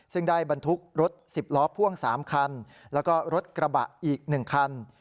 ซึ่งได้บรรทุกรถ๑๐ล้อพ่วง๓คันแล้วก็รถกระบะอีก๑คัน